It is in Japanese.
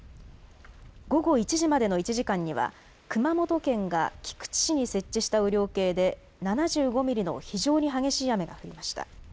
午後１時までの１時間には熊本県が菊池市に設置した雨量計で７５ミリの非常に激しい雨が降りました。